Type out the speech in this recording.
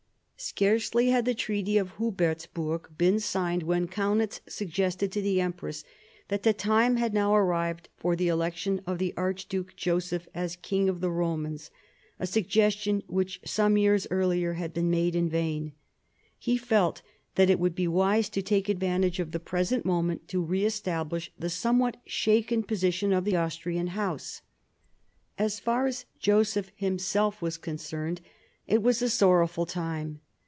Scarcely had the Treaty of Hubertsburg been signed when Kaunitz suggestecTto the empress that the time had now arrived for the election of the Archduke Joseph as King of the Eomans, a suggestion which some years earlier had been made in vain. He felt that it would be wise to take advantage of the present moment to re establish the somewhat shaken position of the Austrian House. As far as Joseph himself was concerned, it was a sorrowful time.